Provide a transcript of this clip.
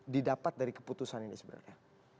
didapat dari keputusan ini sebenarnya